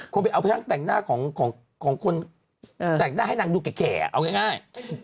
ไปเอาไปนั่งแต่งหน้าของคนแต่งหน้าให้นางดูแก่เอาง่าย